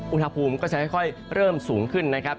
อุณหภูมิก็จะค่อยเริ่มสูงขึ้นนะครับ